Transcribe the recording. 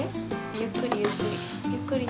ゆっくりゆっくり。